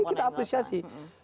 ini kita apresiasi